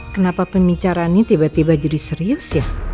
kenapa pembicaraan ini tiba tiba jadi serius ya